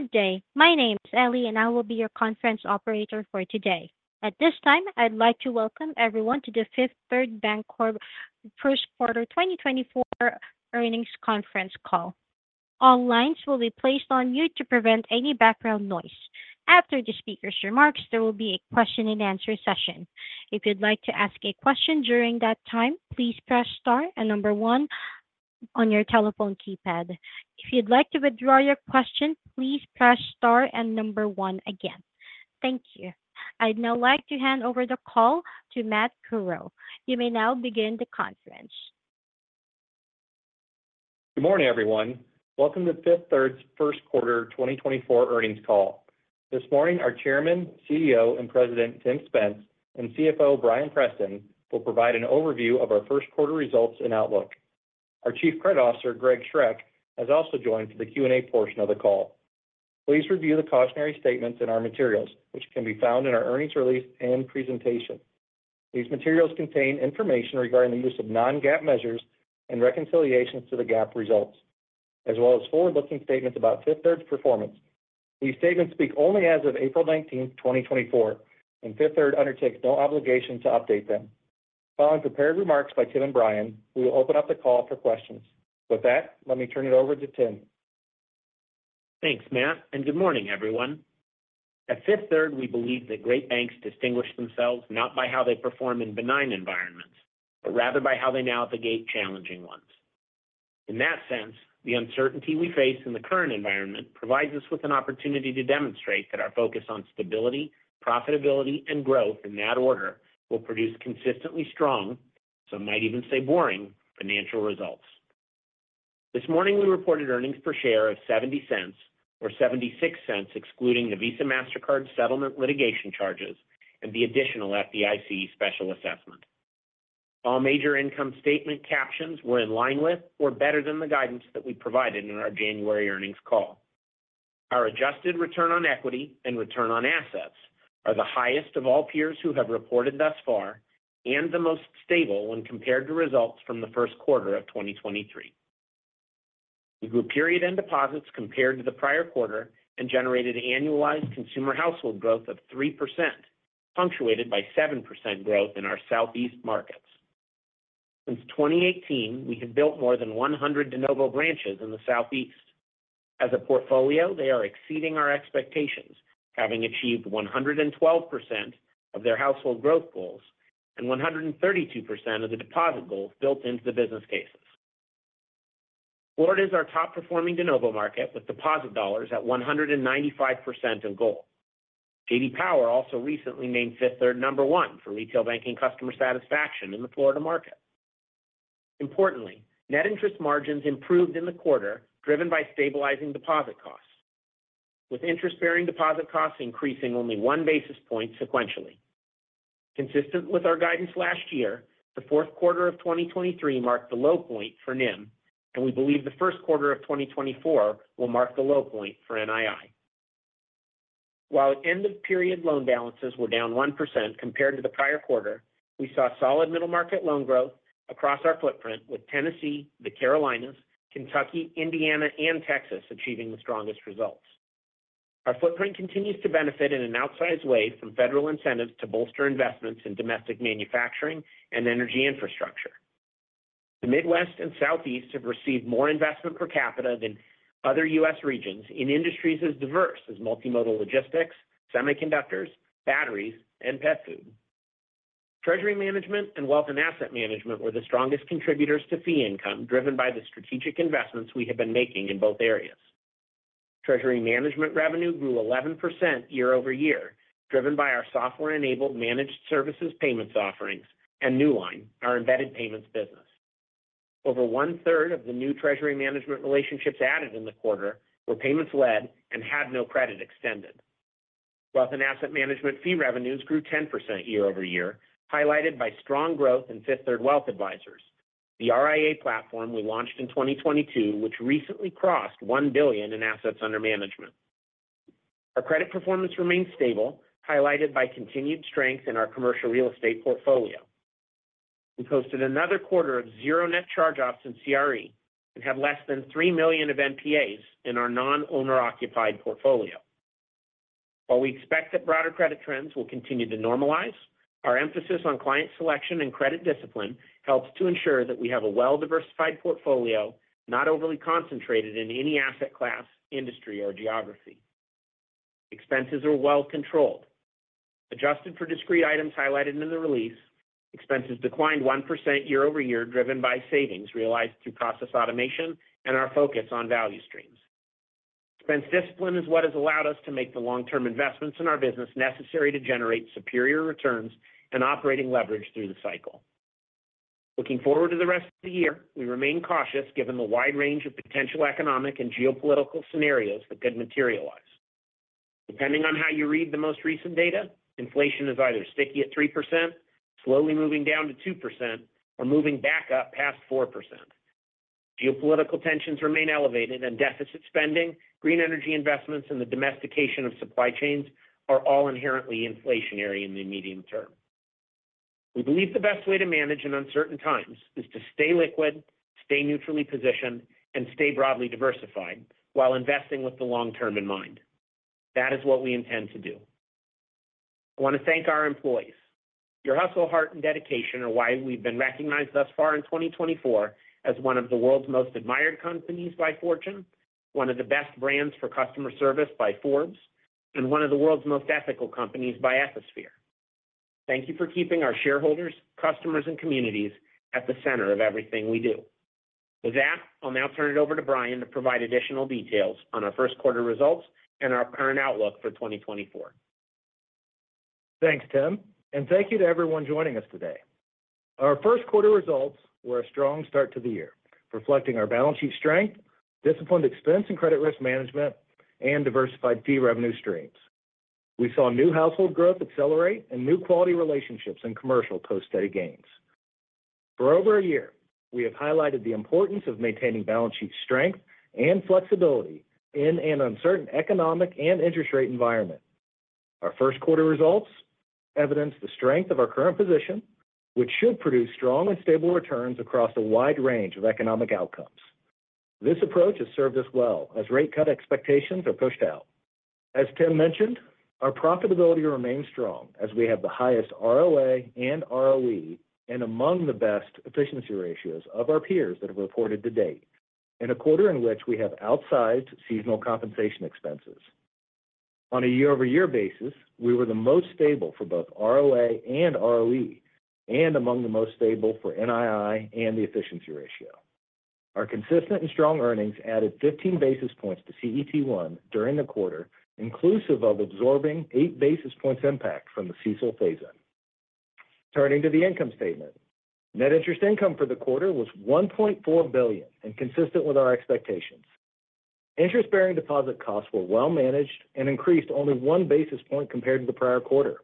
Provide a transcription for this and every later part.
Good day. My name's Ellie, and I will be your conference operator for today. At this time, I'd like to welcome everyone to the Fifth Third Bancorp First Quarter 2024 Earnings Conference Call. All lines will be placed on mute to prevent any background noise. After the speaker's remarks, there will be a question-and-answer session. If you'd like to ask a question during that time, please press star and number one on your telephone keypad. If you'd like to withdraw your question, please press star and number one again. Thank you. I'd now like to hand over the call to Matt Curoe. You may now begin the conference. Good morning, everyone. Welcome to Fifth Third's First Quarter 2024 earnings call. This morning, our Chairman, CEO, and President, Tim Spence, and CFO, Bryan Preston, will provide an overview of our first quarter results and outlook. Our Chief Credit Officer, Greg Schreck, has also joined for the Q&A portion of the call. Please review the cautionary statements and our materials, which can be found in our earnings release and presentation. These materials contain information regarding the use of non-GAAP measures and reconciliations to the GAAP results, as well as forward-looking statements about Fifth Third's performance. These statements speak only as of April 19, 2024, and Fifth Third undertakes no obligation to update them. Following prepared remarks by Tim and Bryan, we will open up the call for questions. With that, let me turn it over to Tim. Thanks, Matt. Good morning, everyone. At Fifth Third, we believe that great banks distinguish themselves not by how they perform in benign environments, but rather by how they navigate challenging ones. In that sense, the uncertainty we face in the current environment provides us with an opportunity to demonstrate that our focus on stability, profitability, and growth, in that order, will produce consistently strong, some might even say boring, financial results. This morning, we reported earnings per share of $0.70, or $0.76 excluding the Visa Mastercard settlement litigation charges and the additional FDIC special assessment. All major income statement captions were in line with or better than the guidance that we provided in our January earnings call. Our adjusted return on equity and return on assets are the highest of all peers who have reported thus far and the most stable when compared to results from the first quarter of 2023. We grew period end deposits compared to the prior quarter and generated annualized consumer household growth of 3%, punctuated by 7% growth in our Southeast markets. Since 2018, we have built more than 100 de novo branches in the Southeast. As a portfolio, they are exceeding our expectations, having achieved 112% of their household growth goals and 132% of the deposit goals built into the business cases. Florida is our top-performing de novo market, with deposit dollars at 195% of goal. J.D. Power also recently named Fifth Third number 1 for retail banking customer satisfaction in the Florida market. Importantly, net interest margins improved in the quarter, driven by stabilizing deposit costs, with interest-bearing deposit costs increasing only 1 basis point sequentially. Consistent with our guidance last year, the fourth quarter of 2023 marked the low point for NIM, and we believe the first quarter of 2024 will mark the low point for NII. While end-of-period loan balances were down 1% compared to the prior quarter, we saw solid middle-market loan growth across our footprint, with Tennessee, the Carolinas, Kentucky, Indiana, and Texas achieving the strongest results. Our footprint continues to benefit in an outsized way from federal incentives to bolster investments in domestic manufacturing and energy infrastructure. The Midwest and Southeast have received more investment per capita than other U.S. regions in industries as diverse as multimodal logistics, semiconductors, batteries, and pet food. Treasury management and wealth and asset management were the strongest contributors to fee income, driven by the strategic investments we have been making in both areas. Treasury management revenue grew 11% year-over-year, driven by our software-enabled managed services payments offerings and Newline, our embedded payments business. Over one-third of the new treasury management relationships added in the quarter were payments-led and had no credit extended. Wealth and asset management fee revenues grew 10% year-over-year, highlighted by strong growth in Fifth Third Wealth Advisors, the RIA platform we launched in 2022, which recently crossed $1 billion in assets under management. Our credit performance remained stable, highlighted by continued strength in our commercial real estate portfolio. We posted another quarter of zero net charge-offs in CRE and had less than $3 million of NPAs in our non-owner-occupied portfolio. While we expect that broader credit trends will continue to normalize, our emphasis on client selection and credit discipline helps to ensure that we have a well-diversified portfolio, not overly concentrated in any asset class, industry, or geography. Expenses were well controlled. Adjusted for discrete items highlighted in the release, expenses declined 1% year-over-year, driven by savings realized through process automation and our focus on value streams. Expense discipline is what has allowed us to make the long-term investments in our business necessary to generate superior returns and operating leverage through the cycle. Looking forward to the rest of the year, we remain cautious given the wide range of potential economic and geopolitical scenarios that could materialize. Depending on how you read the most recent data, inflation is either sticky at 3%, slowly moving down to 2%, or moving back up past 4%. Geopolitical tensions remain elevated, and deficit spending, green energy investments, and the domestication of supply chains are all inherently inflationary in the medium term. We believe the best way to manage in uncertain times is to stay liquid, stay neutrally positioned, and stay broadly diversified while investing with the long term in mind. That is what we intend to do. I want to thank our employees. Your hustle heart and dedication are why we've been recognized thus far in 2024 as one of the world's most admired companies by Fortune, one of the best brands for customer service by Forbes, and one of the world's most ethical companies by Ethisphere. Thank you for keeping our shareholders, customers, and communities at the center of everything we do. With that, I'll now turn it over to Bryan to provide additional details on our first quarter results and our current outlook for 2024. Thanks, Tim. Thank you to everyone joining us today. Our first quarter results were a strong start to the year, reflecting our balance sheet strength, disciplined expense and credit risk management, and diversified fee revenue streams. We saw new household growth accelerate and new quality relationships in commercial post-steady gains. For over a year, we have highlighted the importance of maintaining balance sheet strength and flexibility in an uncertain economic and interest rate environment. Our first quarter results evidence the strength of our current position, which should produce strong and stable returns across a wide range of economic outcomes. This approach has served us well as rate cut expectations are pushed out. As Tim mentioned, our profitability remains strong as we have the highest ROA and ROE and among the best efficiency ratios of our peers that have reported to date, in a quarter in which we have outsized seasonal compensation expenses. On a year-over-year basis, we were the most stable for both ROA and ROE, and among the most stable for NII and the efficiency ratio. Our consistent and strong earnings added 15 basis points to CET1 during the quarter, inclusive of absorbing 8 basis points impact from the CECL phase-in. Turning to the income statement, net interest income for the quarter was $1.4 billion and consistent with our expectations. Interest-bearing deposit costs were well managed and increased only 1 basis point compared to the prior quarter.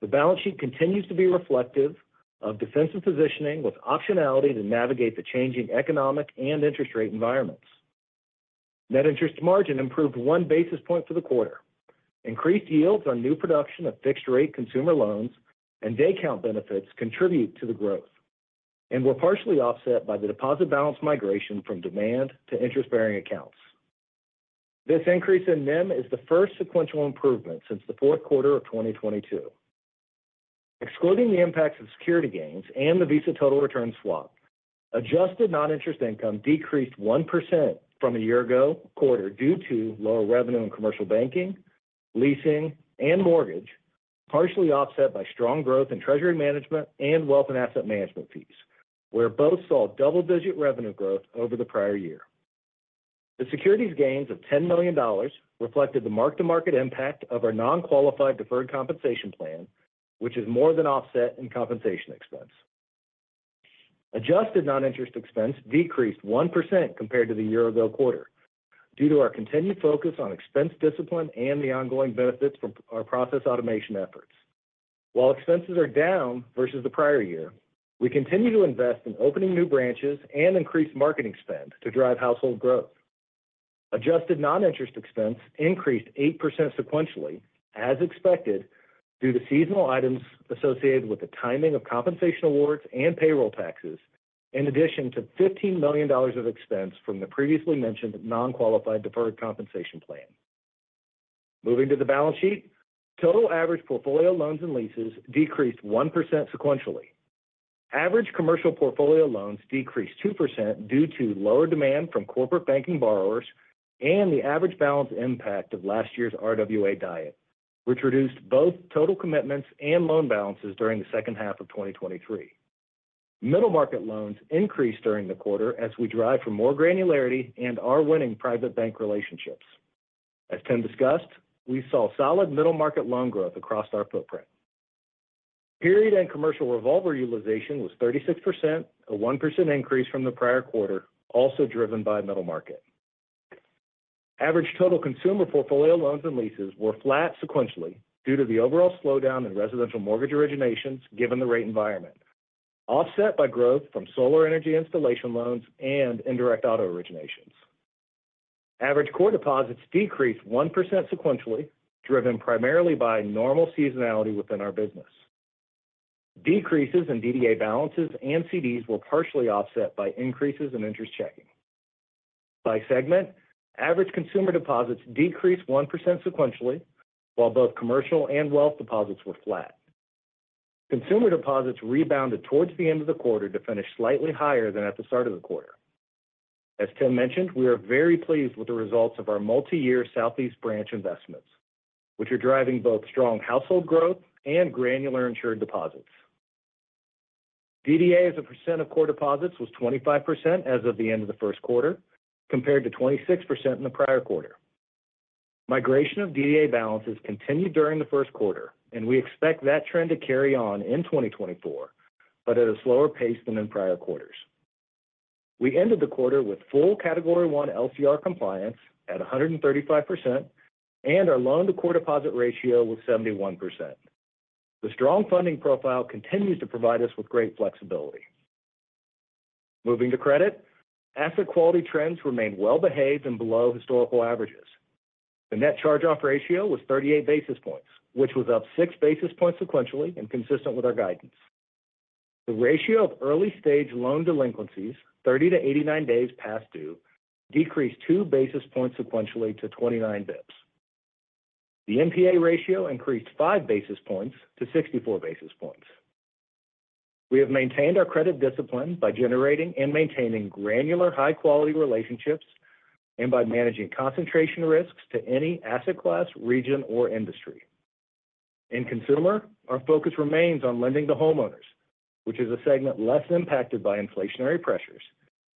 The balance sheet continues to be reflective of defensive positioning with optionality to navigate the changing economic and interest rate environments. Net interest margin improved 1 basis point for the quarter. Increased yields on new production of fixed-rate consumer loans and day-count benefits contribute to the growth, and were partially offset by the deposit balance migration from demand to interest-bearing accounts. This increase in NIM is the first sequential improvement since the fourth quarter of 2022. Excluding the impacts of security gains and the Visa total return swap, adjusted non-interest income decreased 1% from a year ago quarter due to lower revenue in commercial banking, leasing, and mortgage, partially offset by strong growth in treasury management and wealth and asset management fees, where both saw double-digit revenue growth over the prior year. The securities gains of $10 million reflected the mark-to-market impact of our non-qualified deferred compensation plan, which is more than offset in compensation expense. Adjusted non-interest expense decreased 1% compared to the year-ago quarter due to our continued focus on expense discipline and the ongoing benefits from our process automation efforts. While expenses are down versus the prior year, we continue to invest in opening new branches and increase marketing spend to drive household growth. Adjusted non-interest expense increased 8% sequentially, as expected, due to seasonal items associated with the timing of compensation awards and payroll taxes, in addition to $15 million of expense from the previously mentioned non-qualified deferred compensation plan. Moving to the balance sheet, total average portfolio loans and leases decreased 1% sequentially. Average commercial portfolio loans decreased 2% due to lower demand from corporate banking borrowers and the average balance impact of last year's RWA diet, which reduced both total commitments and loan balances during the second half of 2023. Middle-market loans increased during the quarter as we drive for more granularity and our winning private bank relationships. As Tim discussed, we saw solid middle-market loan growth across our footprint. Period end commercial revolver utilization was 36%, a 1% increase from the prior quarter, also driven by middle market. Average total consumer portfolio loans and leases were flat sequentially due to the overall slowdown in residential mortgage originations, given the rate environment, offset by growth from solar energy installation loans and indirect auto originations. Average core deposits decreased 1% sequentially, driven primarily by normal seasonality within our business. Decreases in DDA balances and CDs were partially offset by increases in interest checking. By segment, average consumer deposits decreased 1% sequentially, while both commercial and wealth deposits were flat. Consumer deposits rebounded towards the end of the quarter to finish slightly higher than at the start of the quarter. As Tim mentioned, we are very pleased with the results of our multi-year Southeast branch investments, which are driving both strong household growth and granular insured deposits. DDA as a percent of core deposits was 25% as of the end of the first quarter, compared to 26% in the prior quarter. Migration of DDA balances continued during the first quarter, and we expect that trend to carry on in 2024, but at a slower pace than in prior quarters. We ended the quarter with full Category 1 LCR compliance at 135% and our loan-to-core deposit ratio was 71%. The strong funding profile continues to provide us with great flexibility. Moving to credit, asset quality trends remain well-behaved and below historical averages. The net charge-off ratio was 38 basis points, which was up 6 basis points sequentially and consistent with our guidance. The ratio of early-stage loan delinquencies, 30 to 89 days past due, decreased 2 basis points sequentially to 29 basis points. The NPA ratio increased 5 basis points to 64 basis points. We have maintained our credit discipline by generating and maintaining granular high-quality relationships and by managing concentration risks to any asset class, region, or industry. In consumer, our focus remains on lending to homeowners, which is a segment less impacted by inflationary pressures,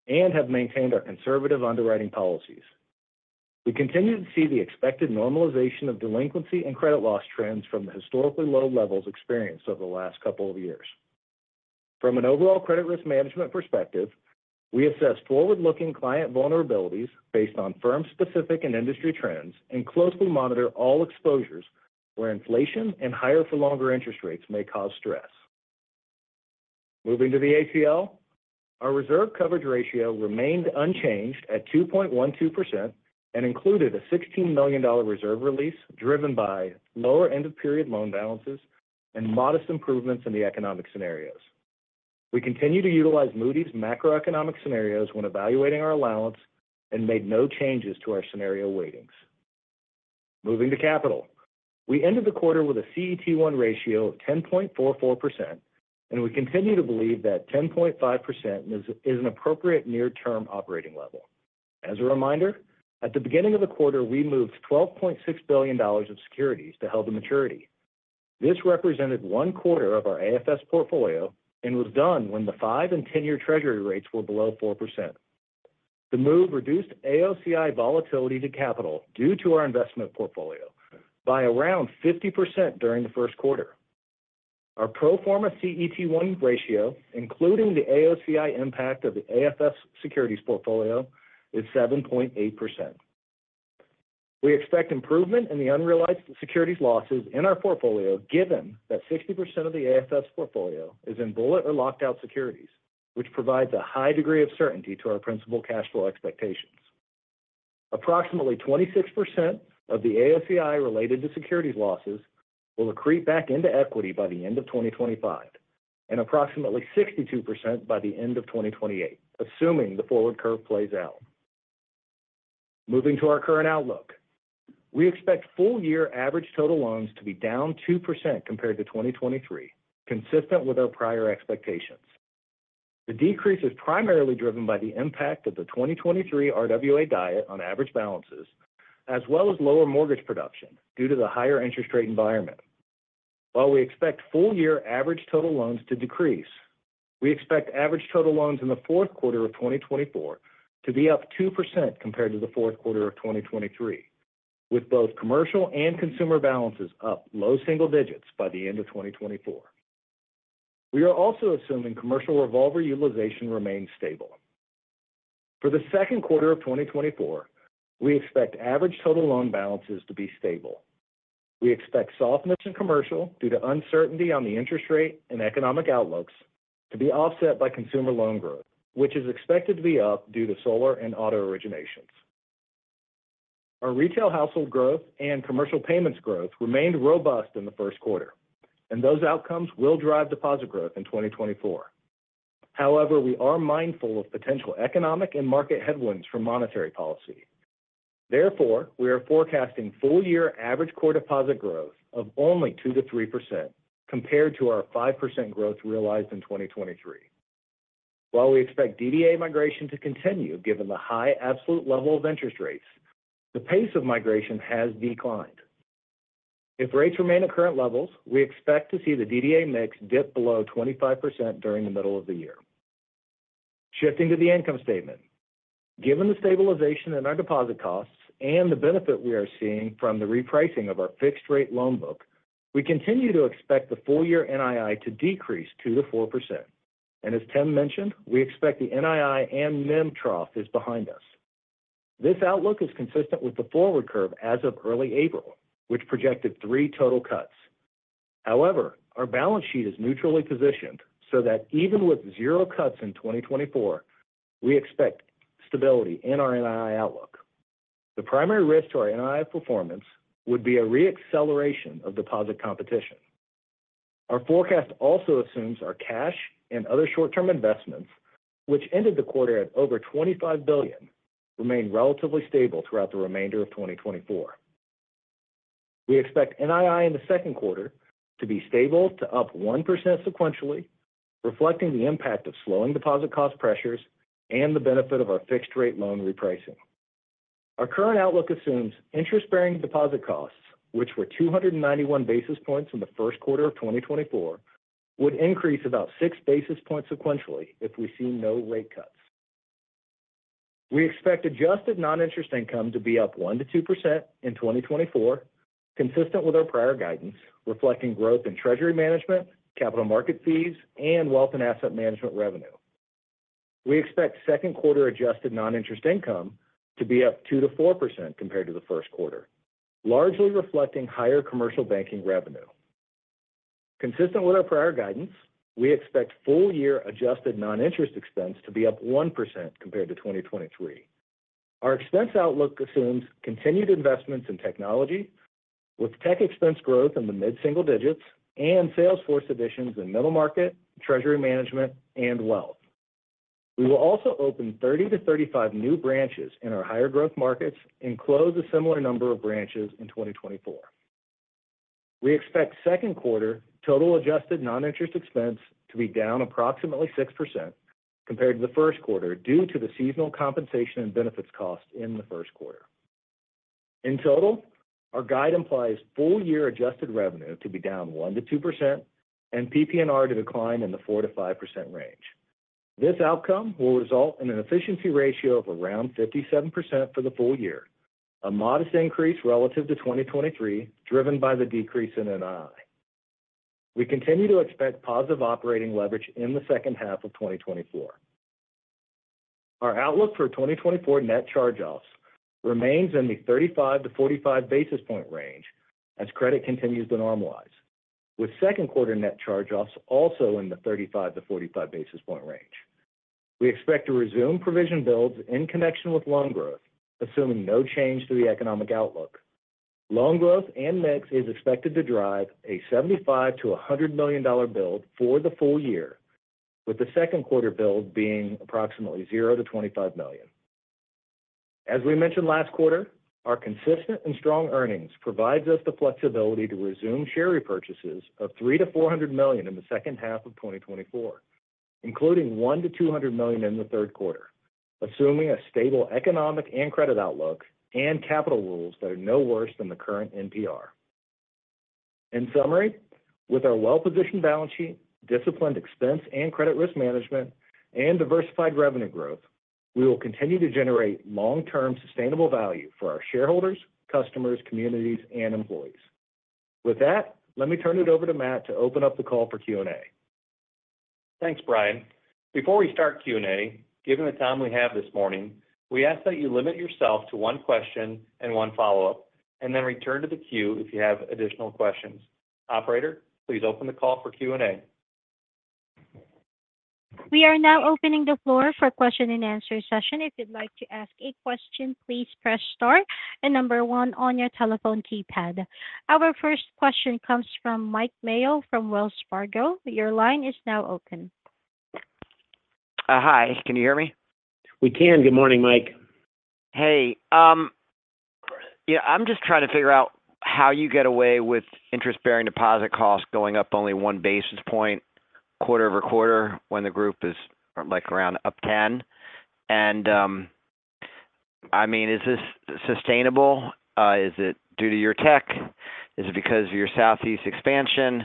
and have maintained our conservative underwriting policies. We continue to see the expected normalization of delinquency and credit loss trends from the historically low levels experienced over the last couple of years. From an overall credit risk management perspective, we assess forward-looking client vulnerabilities based on firm-specific and industry trends and closely monitor all exposures where inflation and higher-for-longer interest rates may cause stress. Moving to the ACL, our reserve coverage ratio remained unchanged at 2.12% and included a $16 million reserve release driven by lower end-of-period loan balances and modest improvements in the economic scenarios. We continue to utilize Moody's macroeconomic scenarios when evaluating our allowance and made no changes to our scenario weightings. Moving to capital, we ended the quarter with a CET1 ratio of 10.44%, and we continue to believe that 10.5% is an appropriate near-term operating level. As a reminder, at the beginning of the quarter, we moved $12.6 billion of securities to held to maturity. This represented one quarter of our AFS portfolio and was done when the 5- and 10-year Treasury rates were below 4%. The move reduced AOCI volatility to capital due to our investment portfolio by around 50% during the first quarter. Our pro forma CET1 ratio, including the AOCI impact of the AFS securities portfolio, is 7.8%. We expect improvement in the unrealized securities losses in our portfolio, given that 60% of the AFS portfolio is in bullet or locked-out securities, which provides a high degree of certainty to our principal cash flow expectations. Approximately 26% of the AOCI related to securities losses will accrete back into equity by the end of 2025 and approximately 62% by the end of 2028, assuming the forward curve plays out. Moving to our current outlook, we expect full-year average total loans to be down 2% compared to 2023, consistent with our prior expectations. The decrease is primarily driven by the impact of the 2023 RWA diet on average balances, as well as lower mortgage production due to the higher interest rate environment. While we expect full-year average total loans to decrease, we expect average total loans in the fourth quarter of 2024 to be up 2% compared to the fourth quarter of 2023, with both commercial and consumer balances up low single digits by the end of 2024. We are also assuming commercial revolver utilization remains stable. For the second quarter of 2024, we expect average total loan balances to be stable. We expect softness in commercial due to uncertainty on the interest rate and economic outlooks to be offset by consumer loan growth, which is expected to be up due to solar and auto originations. Our retail household growth and commercial payments growth remained robust in the first quarter, and those outcomes will drive deposit growth in 2024. However, we are mindful of potential economic and market headwinds from monetary policy. Therefore, we are forecasting full-year average core deposit growth of only 2%-3% compared to our 5% growth realized in 2023. While we expect DDA migration to continue, given the high absolute level of interest rates, the pace of migration has declined. If rates remain at current levels, we expect to see the DDA mix dip below 25% during the middle of the year. Shifting to the income statement, given the stabilization in our deposit costs and the benefit we are seeing from the repricing of our fixed-rate loan book, we continue to expect the full-year NII to decrease 2%-4%. And as Tim mentioned, we expect the NII and NIM trough is behind us. This outlook is consistent with the forward curve as of early April, which projected 3 total cuts. However, our balance sheet is neutrally positioned so that even with zero cuts in 2024, we expect stability in our NII outlook. The primary risk to our NII performance would be a reacceleration of deposit competition. Our forecast also assumes our cash and other short-term investments, which ended the quarter at over $25 billion, remain relatively stable throughout the remainder of 2024. We expect NII in the second quarter to be stable to up 1% sequentially, reflecting the impact of slowing deposit cost pressures and the benefit of our fixed-rate loan repricing. Our current outlook assumes interest-bearing deposit costs, which were 291 basis points in the first quarter of 2024, would increase about 6 basis points sequentially if we see no rate cuts. We expect adjusted non-interest income to be up 1%-2% in 2024, consistent with our prior guidance, reflecting growth in treasury management, capital market fees, and wealth and asset management revenue. We expect second-quarter adjusted non-interest income to be up 2%-4% compared to the first quarter, largely reflecting higher commercial banking revenue. Consistent with our prior guidance, we expect full-year adjusted non-interest expense to be up 1% compared to 2023. Our expense outlook assumes continued investments in technology, with tech expense growth in the mid-single digits and sales force additions in middle market, treasury management, and wealth. We will also open 30-35 new branches in our higher growth markets and close a similar number of branches in 2024. We expect second-quarter total adjusted non-interest expense to be down approximately 6% compared to the first quarter due to the seasonal compensation and benefits cost in the first quarter. In total, our guide implies full-year adjusted revenue to be down 1%-2% and PP&R to decline in the 4%-5% range. This outcome will result in an efficiency ratio of around 57% for the full year, a modest increase relative to 2023 driven by the decrease in NII. We continue to expect positive operating leverage in the second half of 2024. Our outlook for 2024 net charge-offs remains in the 35-45 basis point range as credit continues to normalize, with second-quarter net charge-offs also in the 35-45 basis point range. We expect to resume provision builds in connection with loan growth, assuming no change to the economic outlook. Loan growth and mix is expected to drive a $75 million-$100 million build for the full year, with the second-quarter build being approximately $0-$25 million. As we mentioned last quarter, our consistent and strong earnings provide us the flexibility to resume share repurchases of $3 million-$400 million in the second half of 2024, including $1 million-$200 million in the third quarter, assuming a stable economic and credit outlook and capital rules that are no worse than the current NPR. In summary, with our well-positioned balance sheet, disciplined expense and credit risk management, and diversified revenue growth, we will continue to generate long-term sustainable value for our shareholders, customers, communities, and employees. With that, let me turn it over to Matt to open up the call for Q&A. Thanks, Bryan. Before we start Q&A, given the time we have this morning, we ask that you limit yourself to one question and one follow-up, and then return to the queue if you have additional questions. Operator, please open the call for Q&A. We are now opening the floor for a question-and-answer session. If you'd like to ask a question, please press start and number one on your telephone keypad. Our first question comes from Mike Mayo from Wells Fargo. Your line is now open. Hi. Can you hear me? We can. Good morning, Mike. Hey. I'm just trying to figure out how you get away with interest-bearing deposit costs going up only 1 basis point quarter over quarter when the group is around up 10. And I mean, is this sustainable? Is it due to your tech? Is it because of your Southeast expansion?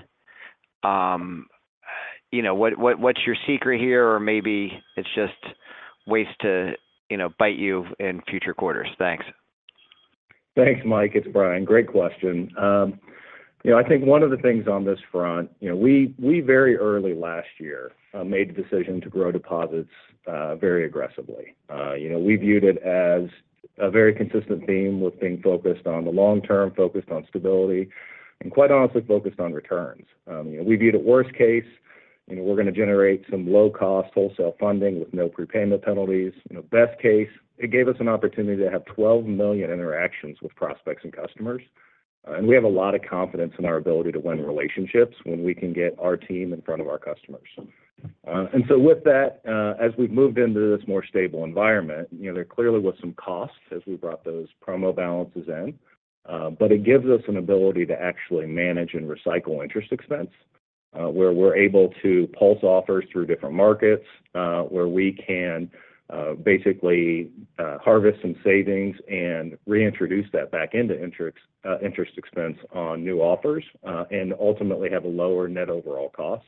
What's your secret here? Or maybe it's just ways to bite you in future quarters. Thanks. Thanks, Mike. It's Bryan. Great question. I think one of the things on this front, we very early last year made the decision to grow deposits very aggressively. We viewed it as a very consistent theme with being focused on the long term, focused on stability, and quite honestly, focused on returns. We viewed it worst case. We're going to generate some low-cost wholesale funding with no prepayment penalties. Best case, it gave us an opportunity to have 12 million interactions with prospects and customers. And we have a lot of confidence in our ability to win relationships when we can get our team in front of our customers. And so with that, as we've moved into this more stable environment, there clearly was some cost as we brought those promo balances in. But it gives us an ability to actually manage and recycle interest expense where we're able to pulse offers through different markets, where we can basically harvest some savings and reintroduce that back into interest expense on new offers and ultimately have a lower net overall cost.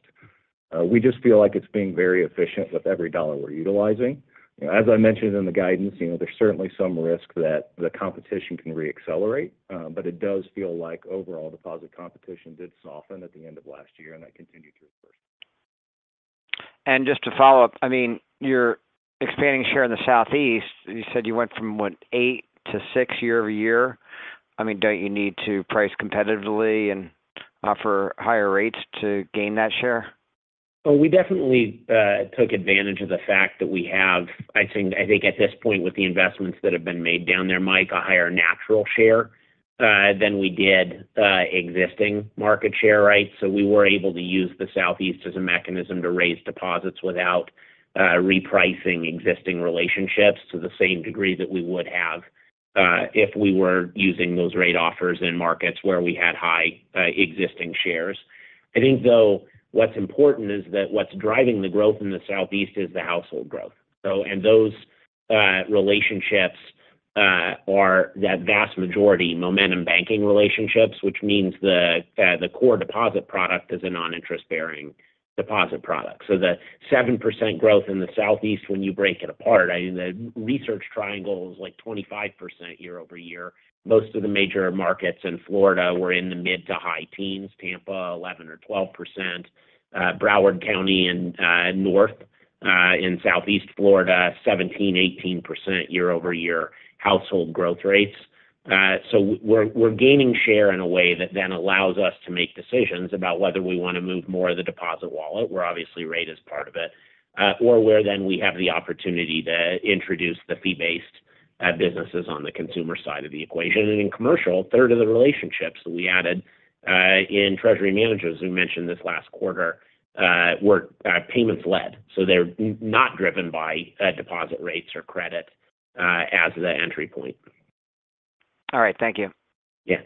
We just feel like it's being very efficient with every dollar we're utilizing. As I mentioned in the guidance, there's certainly some risk that the competition can reaccelerate. But it does feel like overall deposit competition did soften at the end of last year, and that continued through the first quarter. Just to follow up, I mean, you're expanding share in the Southeast. You said you went from 8 to 6 year-over-year. I mean, don't you need to price competitively and offer higher rates to gain that share? Oh, we definitely took advantage of the fact that we have, I think, at this point, with the investments that have been made down there, Mike, a higher natural share than we did existing market share, right? So we were able to use the Southeast as a mechanism to raise deposits without repricing existing relationships to the same degree that we would have if we were using those rate offers in markets where we had high existing shares. I think, though, what's important is that what's driving the growth in the Southeast is the household growth. And those relationships are that vast majority Momentum Banking relationships, which means the core deposit product is a non-interest-bearing deposit product. So the 7% growth in the Southeast when you break it apart, I mean, the Research Triangle is like 25% year-over-year. Most of the major markets in Florida were in the mid to high teens, Tampa, 11 or 12%. Broward County and North in Southeast Florida, 17, 18% year-over-year household growth rates. So we're gaining share in a way that then allows us to make decisions about whether we want to move more of the deposit wallet where obviously rate is part of it, or where then we have the opportunity to introduce the fee-based businesses on the consumer side of the equation. And in commercial, a third of the relationships that we added in treasury managers who mentioned this last quarter were payments-led. So they're not driven by deposit rates or credit as the entry point. All right. Thank you. Yeah.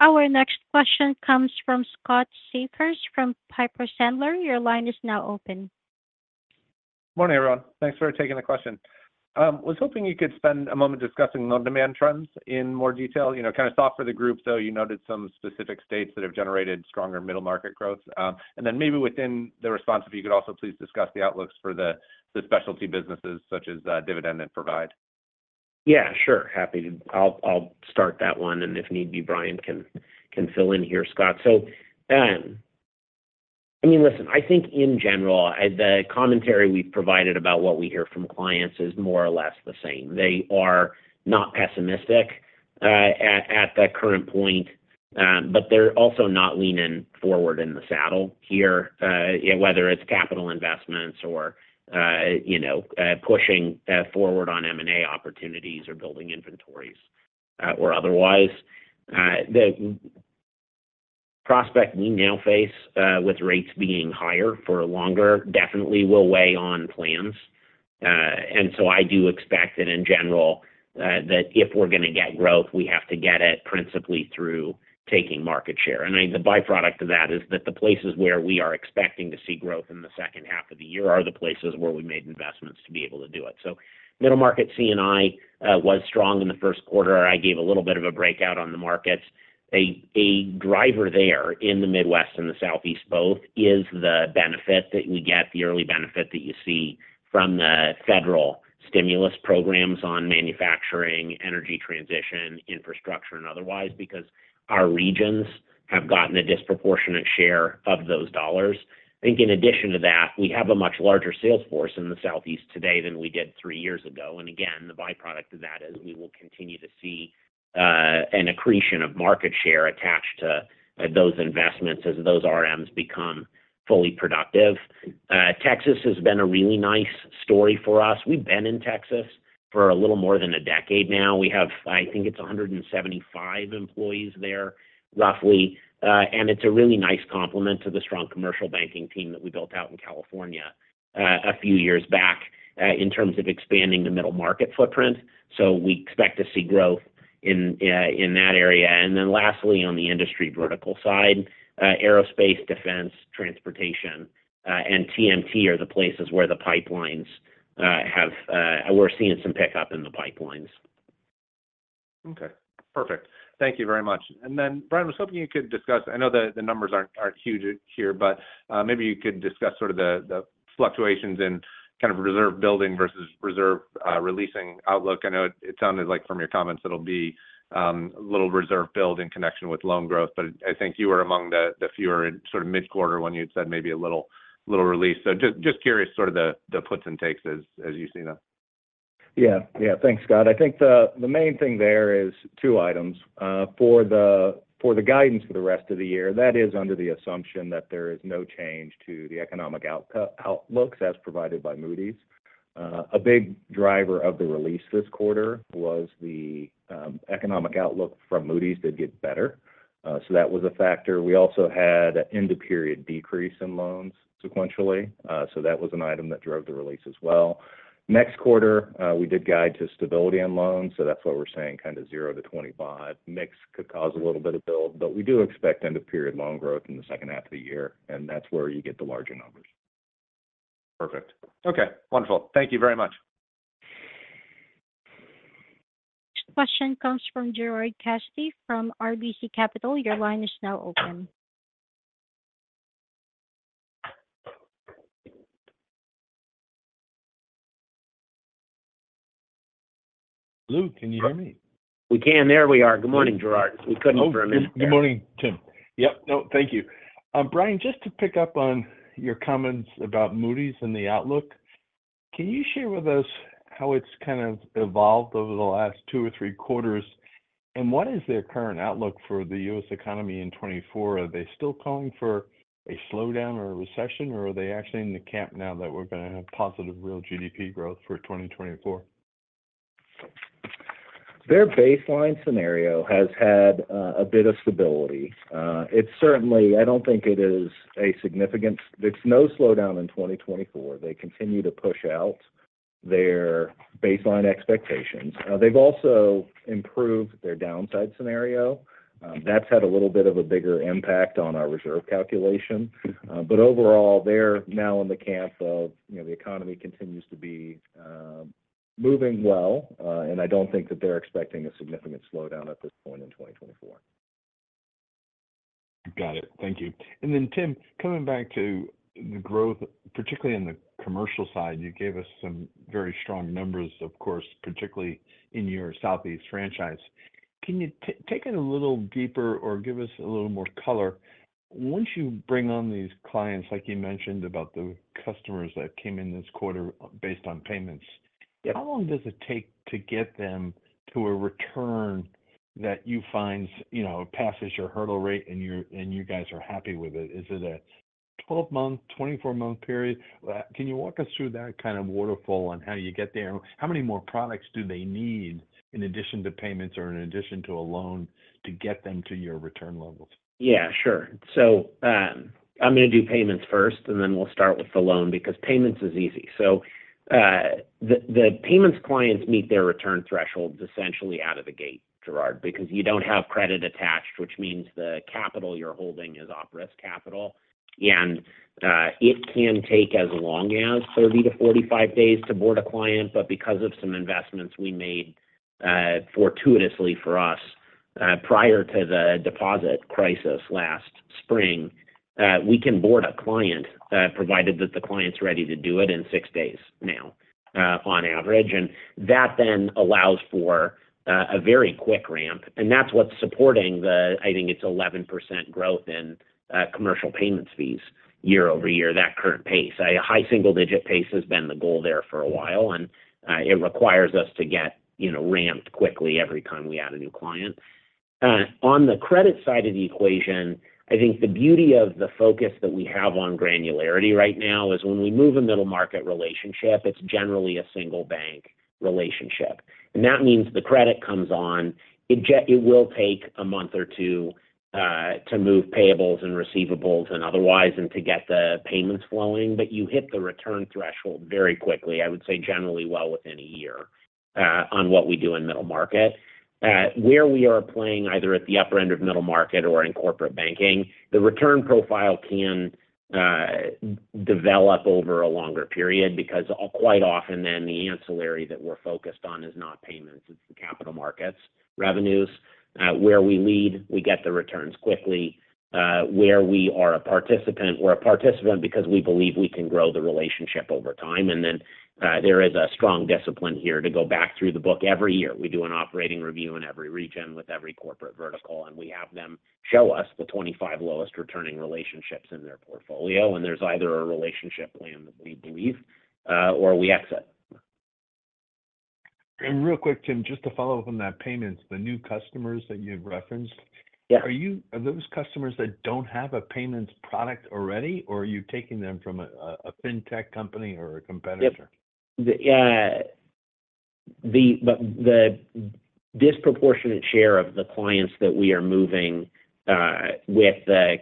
Our next question comes from Scott Siefers from Piper Sandler. Your line is now open. Morning, everyone. Thanks for taking the question. I was hoping you could spend a moment discussing loan demand trends in more detail, kind of soft for the group, though you noted some specific states that have generated stronger middle market growth. And then maybe within the response, if you could also please discuss the outlooks for the specialty businesses such as Dividend and Provide. Yeah, sure. Happy to. I'll start that one. And if need be, Bryan can fill in here, Scott. So I mean, listen, I think in general, the commentary we've provided about what we hear from clients is more or less the same. They are not pessimistic at the current point, but they're also not leaning forward in the saddle here, whether it's capital investments or pushing forward on M&A opportunities or building inventories or otherwise. The prospect we now face with rates being higher for longer definitely will weigh on plans. And so I do expect that in general, that if we're going to get growth, we have to get it principally through taking market share. And I mean, the byproduct of that is that the places where we are expecting to see growth in the second half of the year are the places where we made investments to be able to do it. So middle market C&I was strong in the first quarter. I gave a little bit of a breakout on the markets. A driver there in the Midwest and the Southeast both is the benefit that we get, the early benefit that you see from the federal stimulus programs on manufacturing, energy transition, infrastructure, and otherwise because our regions have gotten a disproportionate share of those dollars. I think in addition to that, we have a much larger sales force in the Southeast today than we did three years ago. And again, the byproduct of that is we will continue to see an accretion of market share attached to those investments as those RMs become fully productive. Texas has been a really nice story for us. We've been in Texas for a little more than a decade now. We have, I think it's 175 employees there roughly. It's a really nice complement to the strong commercial banking team that we built out in California a few years back in terms of expanding the middle market footprint. We expect to see growth in that area. Then lastly, on the industry vertical side, aerospace, defense, transportation, and TMT are the places where the pipelines where we're seeing some pickup in the pipelines. Okay. Perfect. Thank you very much. And then, Bryan, I was hoping you could discuss. I know the numbers aren't huge here, but maybe you could discuss sort of the fluctuations in kind of reserve building versus reserve releasing outlook. I know it sounded like from your comments it'll be a little reserve build in connection with loan growth, but I think you were among the fewer in sort of mid-quarter when you'd said maybe a little release. So just curious sort of the puts and takes as you see them. Yeah. Yeah. Thanks, Scott. I think the main thing there is two items. For the guidance for the rest of the year, that is under the assumption that there is no change to the economic outlooks as provided by Moody's. A big driver of the release this quarter was the economic outlook from Moody's did get better. So that was a factor. We also had an end-of-period decrease in loans sequentially. So that was an item that drove the release as well. Next quarter, we did guide to stability on loans. So that's what we're saying, kind of 0 to 25. Mix could cause a little bit of build, but we do expect end-of-period loan growth in the second half of the year. And that's where you get the larger numbers. Perfect. Okay. Wonderful. Thank you very much. Next question comes from Gerard Cassidy from RBC Capital. Your line is now open. Hello, can you hear me? We can. There we are. Good morning, Gerard. We couldn't for a minute. Oh, good morning, Tim. Yep. No, thank you. Bryan, just to pick up on your comments about Moody's and the outlook, can you share with us how it's kind of evolved over the last two or three quarters? And what is their current outlook for the U.S. economy in 2024? Are they still calling for a slowdown or a recession, or are they actually in the camp now that we're going to have positive real GDP growth for 2024? Their baseline scenario has had a bit of stability. I don't think it is a significant. There's no slowdown in 2024. They continue to push out their baseline expectations. They've also improved their downside scenario. That's had a little bit of a bigger impact on our reserve calculation. But overall, they're now in the camp of the economy continues to be moving well, and I don't think that they're expecting a significant slowdown at this point in 2024. Got it. Thank you. Then, Tim, coming back to the growth, particularly in the commercial side, you gave us some very strong numbers, of course, particularly in your Southeast franchise. Can you take it a little deeper or give us a little more color? Once you bring on these clients, like you mentioned about the customers that came in this quarter based on payments, how long does it take to get them to a return that you find passes your hurdle rate and you guys are happy with it? Is it a 12-month, 24-month period? Can you walk us through that kind of waterfall on how you get there? How many more products do they need in addition to payments or in addition to a loan to get them to your return levels? Yeah, sure. So I'm going to do payments first, and then we'll start with the loan because payments is easy. So the payments clients meet their return thresholds essentially out of the gate, Gerard, because you don't have credit attached, which means the capital you're holding is operating capital. And it can take as long as 30-45 days to board a client. But because of some investments we made fortuitously for us prior to the deposit crisis last spring, we can board a client provided that the client's ready to do it in 6 days now on average. And that then allows for a very quick ramp. And that's what's supporting the I think it's 11% growth in commercial payments fees year over year, that current pace. A high single-digit pace has been the goal there for a while, and it requires us to get ramped quickly every time we add a new client. On the credit side of the equation, I think the beauty of the focus that we have on granularity right now is when we move a middle market relationship, it's generally a single bank relationship. And that means the credit comes on. It will take a month or two to move payables and receivables and otherwise and to get the payments flowing. But you hit the return threshold very quickly. I would say generally well within a year on what we do in middle market. Where we are playing either at the upper end of middle market or in corporate banking, the return profile can develop over a longer period because quite often then the ancillary that we're focused on is not payments. It's the capital markets revenues. Where we lead, we get the returns quickly. Where we are a participant, we're a participant because we believe we can grow the relationship over time. And then there is a strong discipline here to go back through the book. Every year, we do an operating review in every region with every corporate vertical, and we have them show us the 25 lowest returning relationships in their portfolio. And there's either a relationship plan that we believe or we exit. Real quick, Tim, just to follow up on that payments, the new customers that you've referenced, are those customers that don't have a payments product already, or are you taking them from a fintech company or a competitor? Yep. Yeah. The disproportionate share of the clients that we are moving with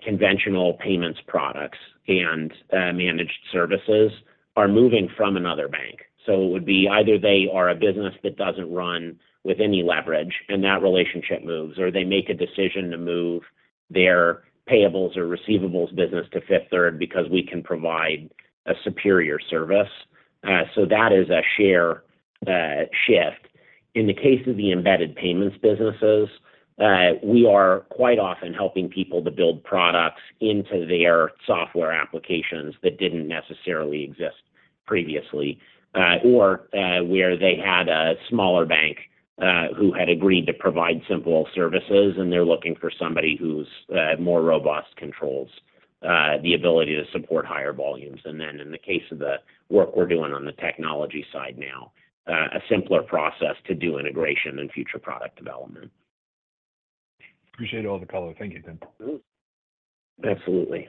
conventional payments products and managed services are moving from another bank. So it would be either they are a business that doesn't run with any leverage, and that relationship moves, or they make a decision to move their payables or receivables business to Fifth Third because we can provide a superior service. So that is a share shift. In the case of the embedded payments businesses, we are quite often helping people to build products into their software applications that didn't necessarily exist previously or where they had a smaller bank who had agreed to provide simple services, and they're looking for somebody who's more robust controls, the ability to support higher volumes. And then in the case of the work we're doing on the technology side now, a simpler process to do integration and future product development. Appreciate all the color. Thank you, Tim. Absolutely.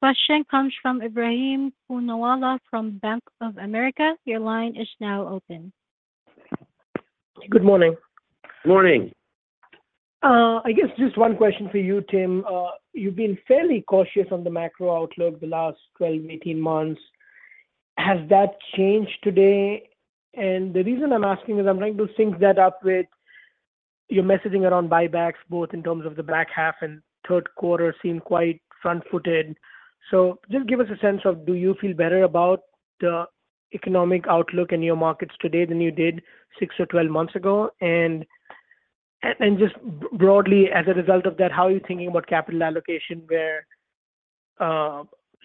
Question comes from Ebrahim Poonawala from Bank of America. Your line is now open. Good morning. Morning. I guess just one question for you, Tim. You've been fairly cautious on the macro outlook the last 12, 18 months. Has that changed today? And the reason I'm asking is I'm trying to sync that up with your messaging around buybacks, both in terms of the back half and third quarter seem quite front-footed. So just give us a sense of do you feel better about the economic outlook in your markets today than you did 6 or 12 months ago? And just broadly, as a result of that, how are you thinking about capital allocation, where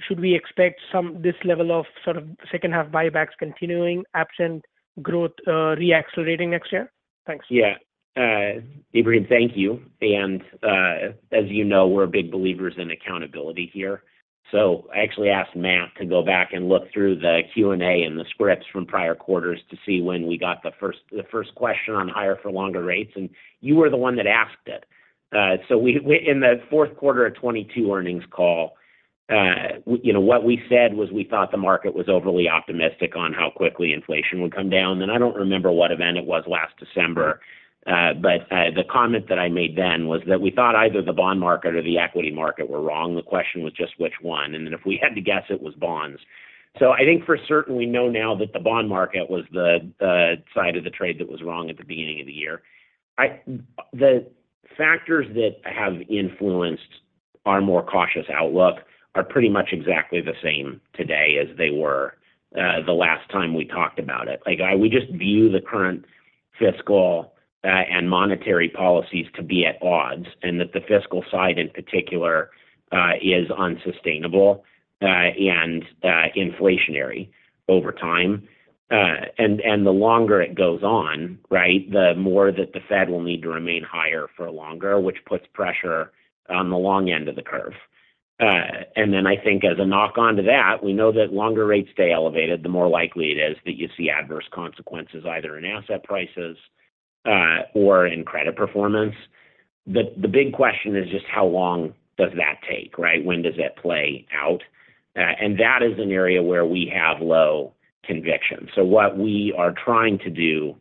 should we expect this level of sort of second-half buybacks continuing, absent growth reaccelerating next year? Thanks. Yeah. Ebrahim, thank you. And as you know, we're big believers in accountability here. So I actually asked Matt to go back and look through the Q&A and the scripts from prior quarters to see when we got the first question on higher-for-longer rates. And you were the one that asked it. So in the fourth quarter of 2022 earnings call, what we said was we thought the market was overly optimistic on how quickly inflation would come down. And I don't remember what event it was last December, but the comment that I made then was that we thought either the bond market or the equity market were wrong. The question was just which one. And then if we had to guess, it was bonds. So I think for certain, we know now that the bond market was the side of the trade that was wrong at the beginning of the year. The factors that have influenced our more cautious outlook are pretty much exactly the same today as they were the last time we talked about it. We just view the current fiscal and monetary policies to be at odds and that the fiscal side in particular is unsustainable and inflationary over time. And the longer it goes on, right, the more that the Fed will need to remain higher for longer, which puts pressure on the long end of the curve. And then I think as a knock-on to that, we know that longer rates stay elevated, the more likely it is that you see adverse consequences either in asset prices or in credit performance. The big question is just how long does that take, right? When does it play out? And that is an area where we have low conviction. So what we are trying to do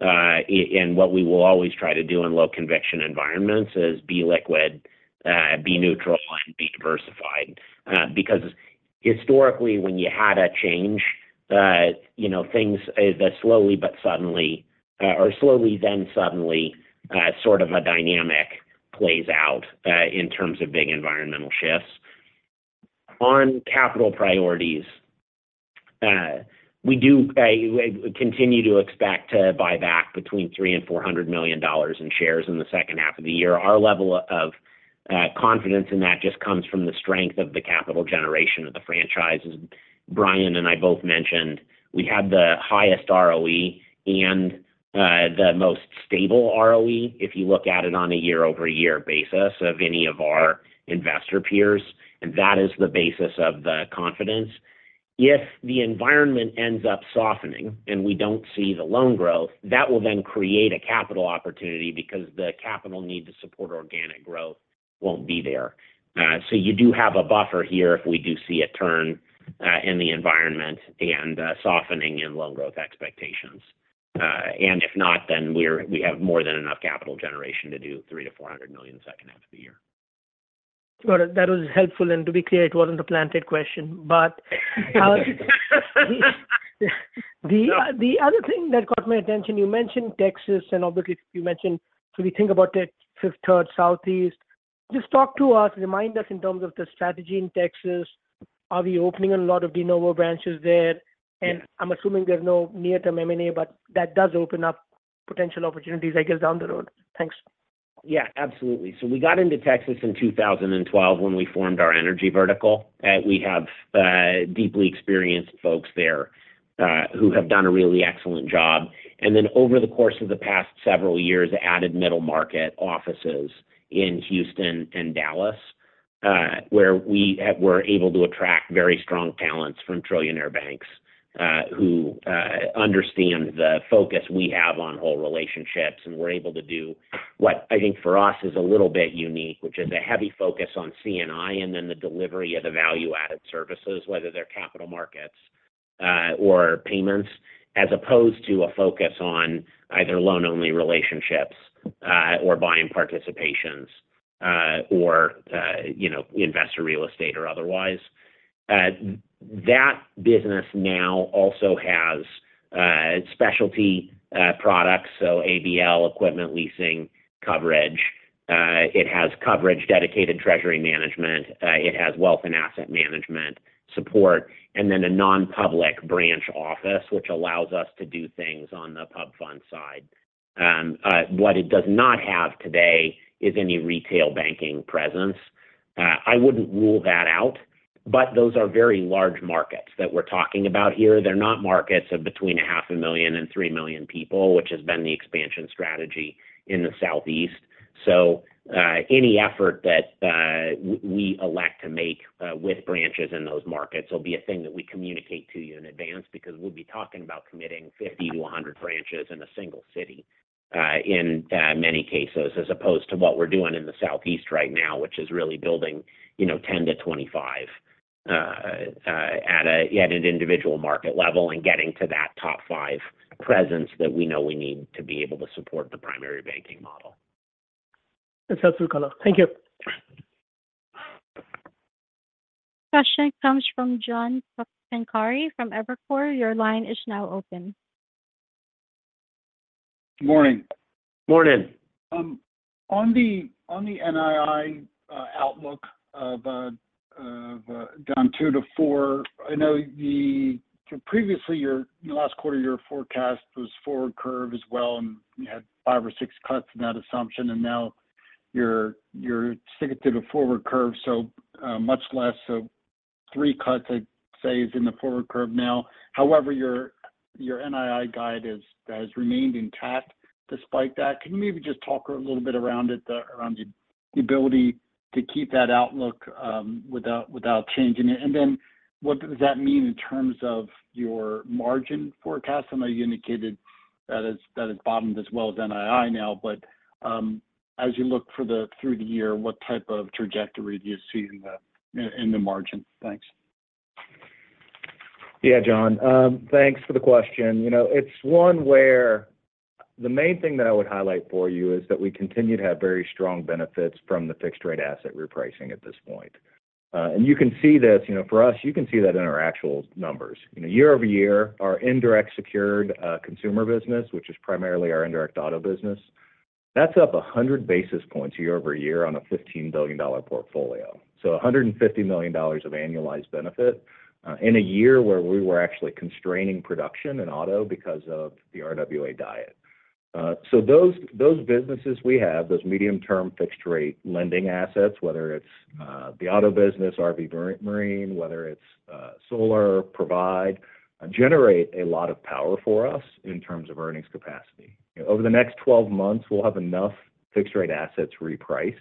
and what we will always try to do in low-conviction environments is be liquid, be neutral, and be diversified. Because historically, when you had a change, things that slowly but suddenly or slowly then suddenly sort of a dynamic plays out in terms of big environmental shifts. On capital priorities, we do continue to expect to buy back between $300 million-$400 million in shares in the second half of the year. Our level of confidence in that just comes from the strength of the capital generation of the franchises. Bryan and I both mentioned we had the highest ROE and the most stable ROE if you look at it on a year-over-year basis of any of our investor peers. That is the basis of the confidence. If the environment ends up softening and we don't see the loan growth, that will then create a capital opportunity because the capital need to support organic growth won't be there. You do have a buffer here if we do see a turn in the environment and softening in loan growth expectations. If not, then we have more than enough capital generation to do $300 million-$400 million second half of the year. Got it. That was helpful. And to be clear, it wasn't a planted question. But the other thing that caught my attention, you mentioned Texas, and obviously, you mentioned should we think about it, Fifth Third, Southeast? Just talk to us, remind us in terms of the strategy in Texas. Are we opening a lot of de novo branches there? And I'm assuming there's no near-term M&A, but that does open up potential opportunities, I guess, down the road. Thanks. Yeah, absolutely. So we got into Texas in 2012 when we formed our energy vertical. We have deeply experienced folks there who have done a really excellent job. And then over the course of the past several years, added middle market offices in Houston and Dallas where we were able to attract very strong talents from trillion-dollar banks who understand the focus we have on whole relationships. And we're able to do what I think for us is a little bit unique, which is a heavy focus on C&I and then the delivery of the value-added services, whether they're capital markets or payments, as opposed to a focus on either loan-only relationships or buying participations or investor real estate or otherwise. That business now also has specialty products, so ABL, equipment leasing, coverage. It has coverage dedicated treasury management. It has wealth and asset management support and then a non-public branch office, which allows us to do things on the PubFund side. What it does not have today is any retail banking presence. I wouldn't rule that out, but those are very large markets that we're talking about here. They're not markets of between 500,000 and 3 million people, which has been the expansion strategy in the Southeast. So any effort that we elect to make with branches in those markets will be a thing that we communicate to you in advance because we'll be talking about committing 50-100 branches in a single city in many cases, as opposed to what we're doing in the Southeast right now, which is really building 10-25 at an individual market level and getting to that top five presence that we know we need to be able to support the primary banking model. That's absolutely correct. Thank you. Question comes from John Pancari from Evercore. Your line is now open. Good morning. Morning. On the NII outlook down 2-4, I know previously, in the last quarter, your forecast was forward curve as well, and you had 5 or 6 cuts in that assumption. And now you're sticking to the forward curve, so much less. So 3 cuts, I'd say, is in the forward curve now. However, your NII guide has remained intact despite that. Can you maybe just talk a little bit around it, around the ability to keep that outlook without changing it? And then what does that mean in terms of your margin forecast? I know you indicated that it's bottomed as well as NII now. But as you look through the year, what type of trajectory do you see in the margin? Thanks. Yeah, John. Thanks for the question. It's one where the main thing that I would highlight for you is that we continue to have very strong benefits from the fixed-rate asset repricing at this point. You can see this for us. You can see that in our actual numbers. Year-over-year, our indirect secured consumer business, which is primarily our indirect auto business, that's up 100 basis points year-over-year on a $15 billion portfolio. $150 million of annualized benefit in a year where we were actually constraining production in auto because of the RWA diet. Those businesses we have, those medium-term fixed-rate lending assets, whether it's the auto business, RV Marine, whether it's solar, Provide, generate a lot of power for us in terms of earnings capacity. Over the next 12 months, we'll have enough fixed-rate assets reprice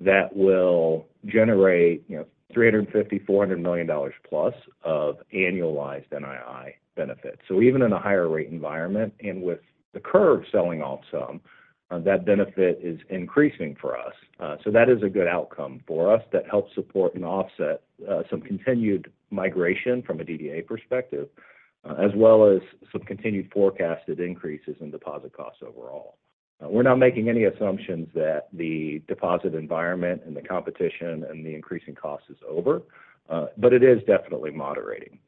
that will generate $350-$400 million plus of annualized NII benefit. So even in a higher-rate environment and with the curve selling off some, that benefit is increasing for us. So that is a good outcome for us that helps support and offset some continued migration from a DDA perspective as well as some continued forecasted increases in deposit costs overall. We're not making any assumptions that the deposit environment and the competition and the increasing cost is over, but it is definitely moderating.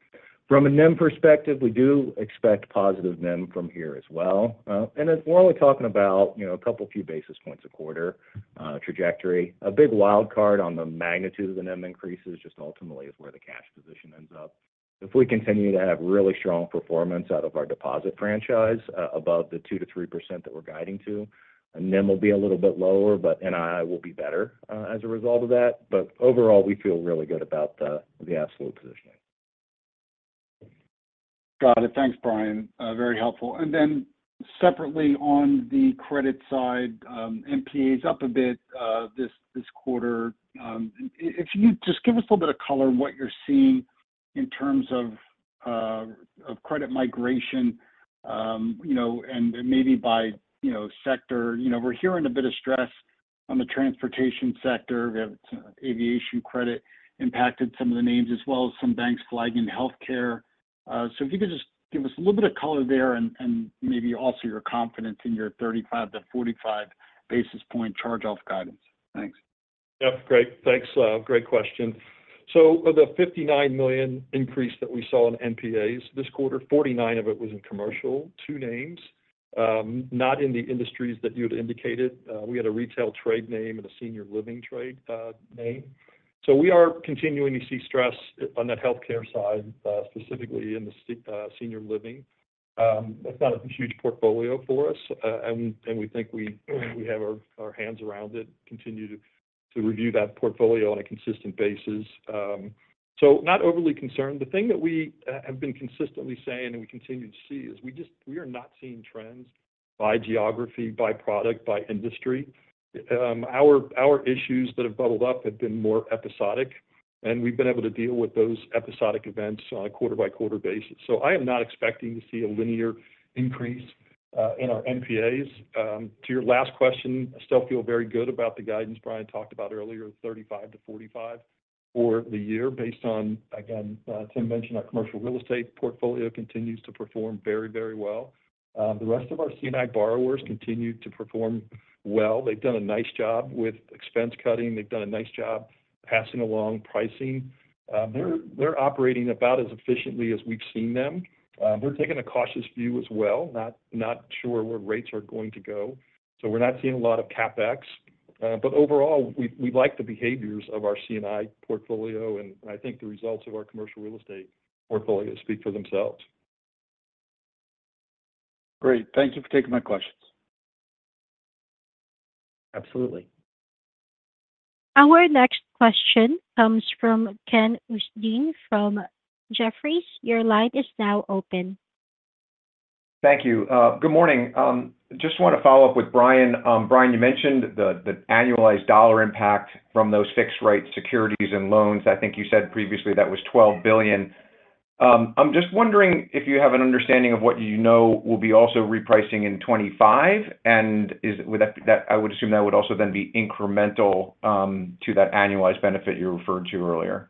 From a NIM perspective, we do expect positive NIM from here as well. And we're only talking about a couple of few basis points a quarter trajectory. A big wild card on the magnitude of the NIM increases just ultimately is where the cash position ends up. If we continue to have really strong performance out of our deposit franchise above the 2%-3% that we're guiding to, NIM will be a little bit lower, but NII will be better as a result of that. But overall, we feel really good about the absolute positioning. Got it. Thanks, Bryan. Very helpful. And then separately on the credit side, NPA is up a bit this quarter. If you just give us a little bit of color, what you're seeing in terms of credit migration and maybe by sector? We're hearing a bit of stress on the transportation sector. We have aviation credit impacted some of the names as well as some banks flagging healthcare. So if you could just give us a little bit of color there and maybe also your confidence in your 35-45 basis points charge-off guidance. Thanks. Yep, great. Thanks. Great question. So of the $59 million increase that we saw in NPAs this quarter, $49 million of it was in commercial, two names, not in the industries that you had indicated. We had a retail trade name and a senior living trade name. So we are continuing to see stress on that healthcare side, specifically in the senior living. That's not a huge portfolio for us, and we think we have our hands around it, continue to review that portfolio on a consistent basis. So not overly concerned. The thing that we have been consistently saying and we continue to see is we are not seeing trends by geography, by product, by industry. Our issues that have bubbled up have been more episodic, and we've been able to deal with those episodic events on a quarter-by-quarter basis. So I am not expecting to see a linear increase in our NPAs. To your last question, I still feel very good about the guidance Bryan talked about earlier, 35-45 for the year. Based on, again, Tim mentioned, our commercial real estate portfolio continues to perform very, very well. The rest of our C&I borrowers continue to perform well. They've done a nice job with expense cutting. They've done a nice job passing along pricing. They're operating about as efficiently as we've seen them. They're taking a cautious view as well, not sure where rates are going to go. So we're not seeing a lot of CapEx. But overall, we like the behaviors of our C&I portfolio, and I think the results of our commercial real estate portfolio speak for themselves. Great. Thank you for taking my questions. Absolutely. Our next question comes from Ken Usdin from Jefferies. Your line is now open. Thank you. Good morning. Just want to follow up with Bryan. Bryan, you mentioned the annualized dollar impact from those fixed-rate securities and loans. I think you said previously that was $12 billion. I'm just wondering if you have an understanding of what you know will be also repricing in 2025. And I would assume that would also then be incremental to that annualized benefit you referred to earlier.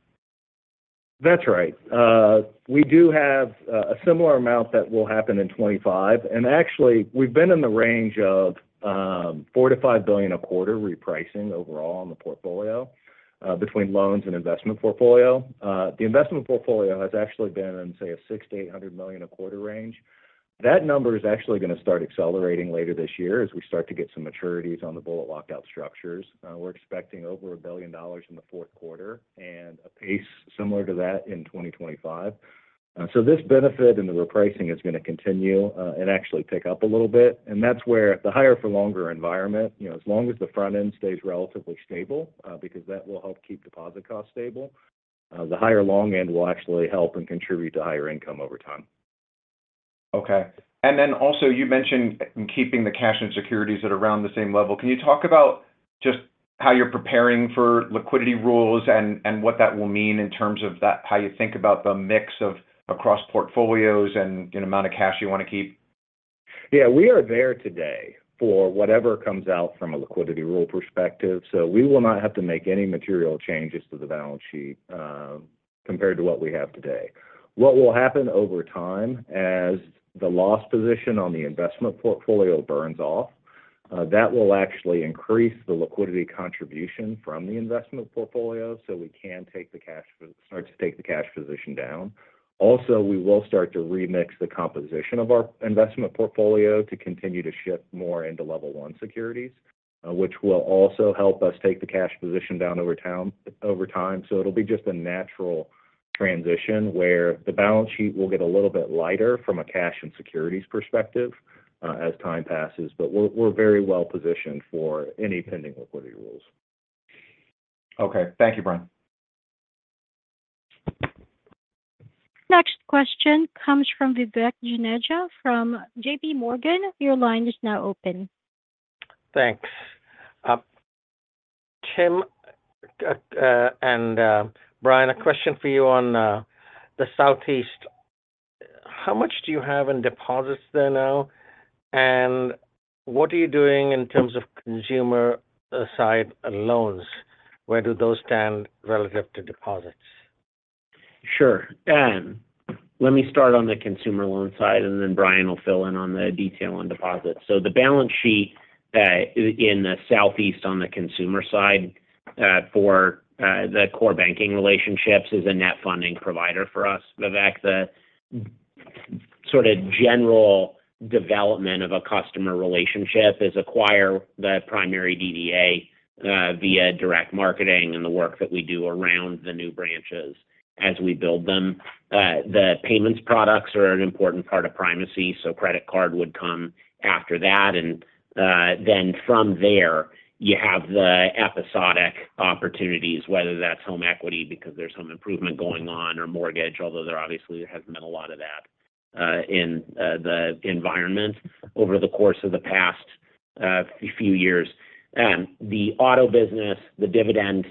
That's right. We do have a similar amount that will happen in 2025. And actually, we've been in the range of $4 billion-$5 billion a quarter repricing overall on the portfolio between loans and investment portfolio. The investment portfolio has actually been in, say, a $600 million-$800 million a quarter range. That number is actually going to start accelerating later this year as we start to get some maturities on the bullet-locked-out structures. We're expecting over $1 billion in the fourth quarter and a pace similar to that in 2025. So this benefit and the repricing is going to continue and actually pick up a little bit. And that's where the higher-for-longer environment, as long as the front end stays relatively stable because that will help keep deposit costs stable, the higher long end will actually help and contribute to higher income over time. Okay. And then also, you mentioned keeping the cash and securities at around the same level. Can you talk about just how you're preparing for liquidity rules and what that will mean in terms of how you think about the mix across portfolios and amount of cash you want to keep? Yeah, we are there today for whatever comes out from a liquidity rule perspective. So we will not have to make any material changes to the balance sheet compared to what we have today. What will happen over time as the loss position on the investment portfolio burns off, that will actually increase the liquidity contribution from the investment portfolio so we can take the cash position down. Also, we will start to remix the composition of our investment portfolio to continue to shift more into level one securities, which will also help us take the cash position down over time. So it'll be just a natural transition where the balance sheet will get a little bit lighter from a cash and securities perspective as time passes. But we're very well positioned for any pending liquidity rules. Okay. Thank you, Bryan. Next question comes from Vivek Juneja from JPMorgan. Your line is now open. Thanks. Tim and Bryan, a question for you on the Southeast. How much do you have in deposits there now? And what are you doing in terms of consumer-side loans? Where do those stand relative to deposits? Sure. Let me start on the consumer loan side, and then Bryan will fill in on the detail on deposits. So the balance sheet in the Southeast on the consumer side for the core banking relationships is a net funding provider for us. Vivek, the sort of general development of a customer relationship is acquire the primary DDA via direct marketing and the work that we do around the new branches as we build them. The payments products are an important part of primacy, so credit card would come after that. And then from there, you have the episodic opportunities, whether that's home equity because there's home improvement going on or mortgage, although there obviously has been a lot of that in the environment over the course of the past few years. The auto business, the Dividend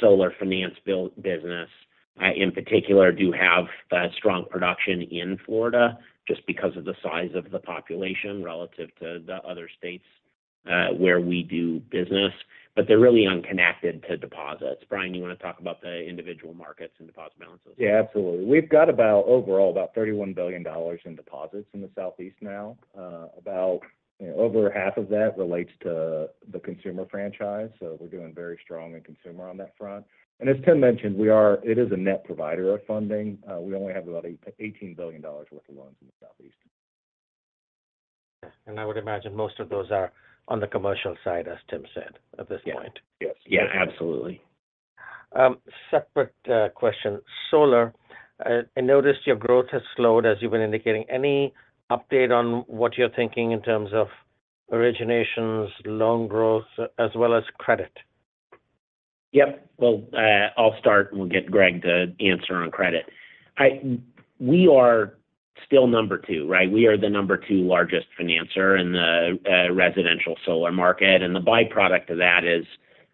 solar finance business in particular do have strong production in Florida just because of the size of the population relative to the other states where we do business. But they're really unconnected to deposits. Bryan, you want to talk about the individual markets and deposit balances? Yeah, absolutely. We've got overall about $31 billion in deposits in the Southeast now. Over half of that relates to the consumer franchise. So we're doing very strong in consumer on that front. And as Tim mentioned, it is a net provider of funding. We only have about $18 billion worth of loans in the Southeast. I would imagine most of those are on the commercial side, as Tim said, at this point. Yes. Yes. Yeah, absolutely. Separate question. Solar, I noticed your growth has slowed, as you've been indicating. Any update on what you're thinking in terms of originations, loan growth, as well as credit? Yep. Well, I'll start, and we'll get Greg to answer on credit. We are still number 2, right? We are the number 2 largest financer in the residential solar market. And the byproduct of that is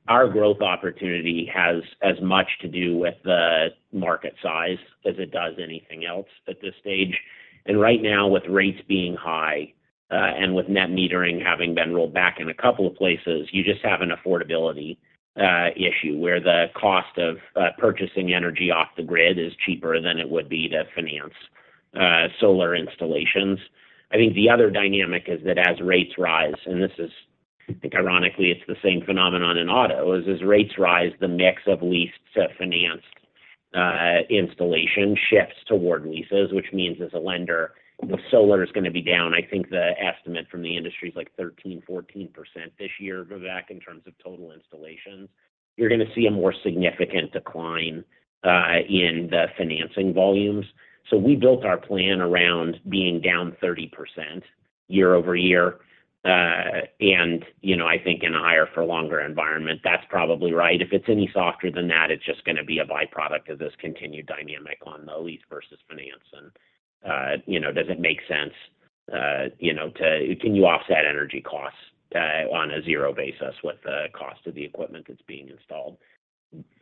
our growth opportunity has as much to do with the market size as it does anything else at this stage. And right now, with rates being high and with net metering having been rolled back in a couple of places, you just have an affordability issue where the cost of purchasing energy off the grid is cheaper than it would be to finance solar installations. I think the other dynamic is that as rates rise and this is, I think, ironically, it's the same phenomenon in auto is as rates rise, the mix of leased to financed installation shifts toward leases, which means as a lender, if solar is going to be down, I think the estimate from the industry is like 13%-14% this year, Vivek, in terms of total installations. You're going to see a more significant decline in the financing volumes. So we built our plan around being down 30% year-over-year. And I think in a higher-for-longer environment, that's probably right. If it's any softer than that, it's just going to be a byproduct of this continued dynamic on the lease versus finance. And does it make sense to can you offset energy costs on a zero basis with the cost of the equipment that's being installed?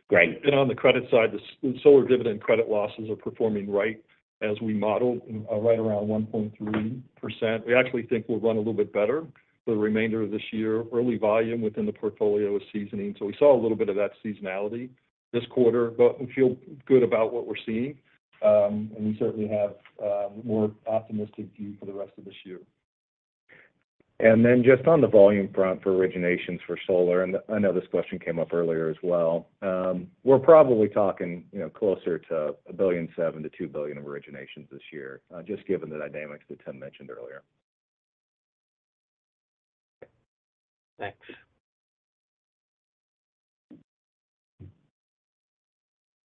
Greg? On the credit side, the solar Dividend credit losses are performing right as we modeled, right around 1.3%. We actually think we'll run a little bit better for the remainder of this year. Early volume within the portfolio is seasoning. So we saw a little bit of that seasonality this quarter, but we feel good about what we're seeing. And we certainly have a more optimistic view for the rest of this year. Then just on the volume front for originations for solar and I know this question came up earlier as well. We're probably talking closer to $1.7 billion-$2 billion of originations this year, just given the dynamics that Tim mentioned earlier. Thanks.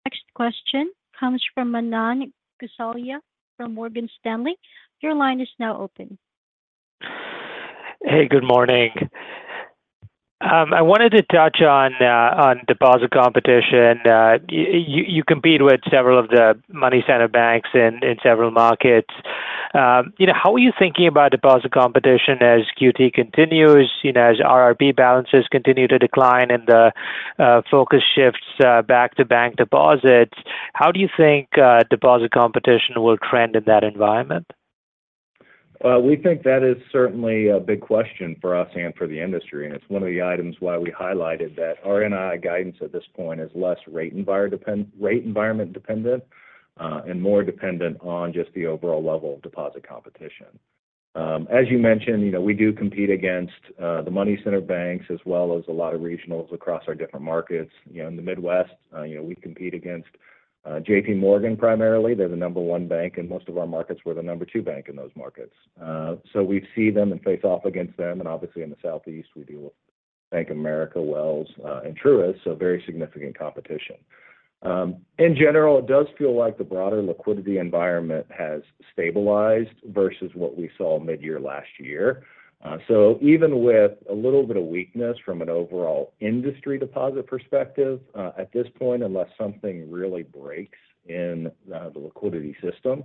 Next question comes from Manan Gosalia from Morgan Stanley. Your line is now open. Hey, good morning. I wanted to touch on deposit competition. You compete with several of the money center banks in several markets. How are you thinking about deposit competition as QT continues, as RRP balances continue to decline, and the focus shifts back to bank deposits? How do you think deposit competition will trend in that environment? We think that is certainly a big question for us and for the industry. It's one of the items why we highlighted that our NII guidance at this point is less rate environment dependent and more dependent on just the overall level of deposit competition. As you mentioned, we do compete against the money center banks as well as a lot of regionals across our different markets. In the Midwest, we compete against JPMorgan primarily. They're the number one bank in most of our markets. We're the number two bank in those markets. So we see them and face off against them. And obviously, in the Southeast, we deal with Bank of America, Wells Fargo, and Truist, so very significant competition. In general, it does feel like the broader liquidity environment has stabilized versus what we saw midyear last year. So even with a little bit of weakness from an overall industry deposit perspective at this point, unless something really breaks in the liquidity system,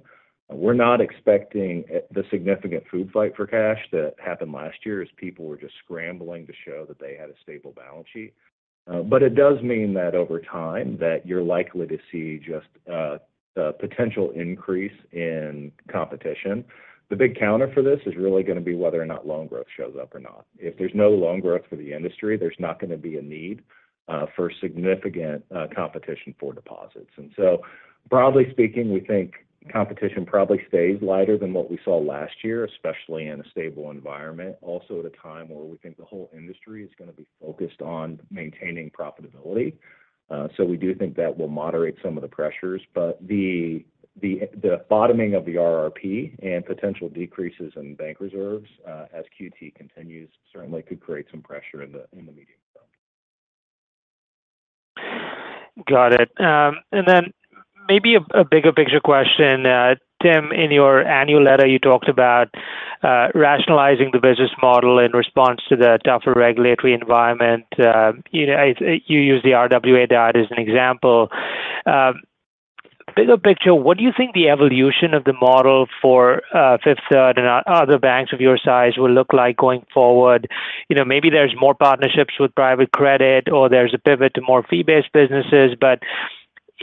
we're not expecting the significant food fight for cash that happened last year as people were just scrambling to show that they had a stable balance sheet. But it does mean that over time, you're likely to see just a potential increase in competition. The big counter for this is really going to be whether or not loan growth shows up or not. If there's no loan growth for the industry, there's not going to be a need for significant competition for deposits. And so broadly speaking, we think competition probably stays lighter than what we saw last year, especially in a stable environment, also at a time where we think the whole industry is going to be focused on maintaining profitability. So we do think that will moderate some of the pressures. But the bottoming of the RRP and potential decreases in bank reserves as QT continues certainly could create some pressure in the medium term. Got it. And then maybe a bigger picture question. Tim, in your annual letter, you talked about rationalizing the business model in response to the tougher regulatory environment. You use the RWA data as an example. Bigger picture, what do you think the evolution of the model for Fifth Third and other banks of your size will look like going forward? Maybe there's more partnerships with private credit, or there's a pivot to more fee-based businesses. But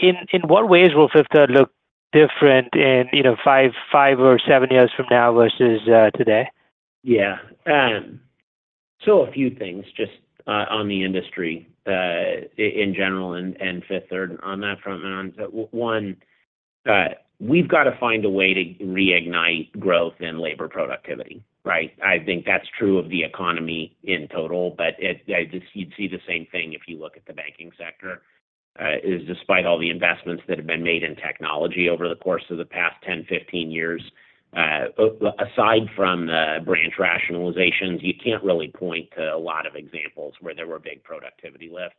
in what ways will Fifth Third look different in five or seven years from now versus today? Yeah. So a few things just on the industry in general and Fifth Third on that front, Manon. One, we've got to find a way to reignite growth in labor productivity, right? I think that's true of the economy in total. But you'd see the same thing if you look at the banking sector. Despite all the investments that have been made in technology over the course of the past 10, 15 years, aside from the branch rationalizations, you can't really point to a lot of examples where there were big productivity lifts.